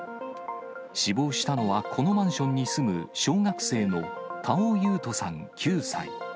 死亡したのはこのマンションに住む、小学生の田尾勇人さん９歳。